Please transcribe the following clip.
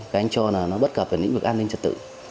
cái anh cho là nó bất cập về những việc an ninh trật tự